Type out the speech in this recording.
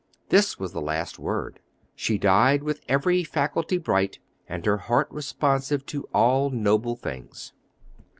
This was the last word. She died with every faculty bright, and her heart responsive to all noble things.